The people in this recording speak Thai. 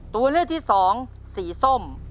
ตัวเลือกที่สองสีส้ม